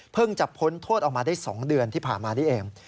จะพ้นโทษออกมาได้๒เดือนที่ผ่านมานี่เอง